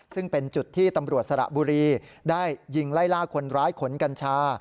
ซึ่งเป็นจุดที่ตำรวจสระบุรีได้ยิงไล่ล่าคนร้ายขนกัญชา